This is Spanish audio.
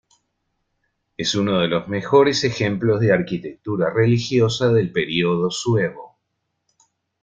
Es uno de los mejores ejemplos de arquitectura religiosa del período suevo.